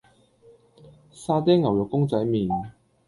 沙爹牛肉公仔麪